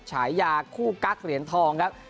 ฉายาคู่กั๊กเหรียญทองครับ